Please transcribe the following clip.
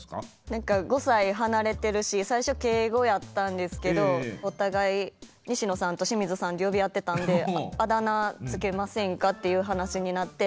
何か５歳離れてるし最初敬語やったんですけどお互い西野さんと清水さんって呼び合ってたんであだ名付けませんかっていう話になって。